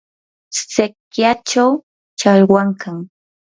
sikyachaw challwam kan.